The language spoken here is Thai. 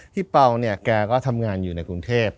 เป่าเนี่ยแกก็ทำงานอยู่ในกรุงเทพ